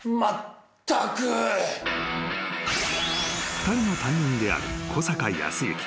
［２人の担任である小坂康之］